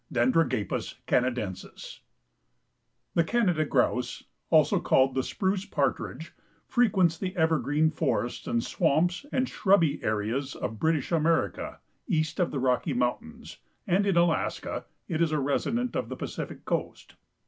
(Dendragapus canadensis.) The Canada Grouse, also called the Spruce Partridge, frequents the evergreen forests and swamps and the shrubby areas of British America east of the Rocky Mountains, and in Alaska it is a resident of the Pacific coast.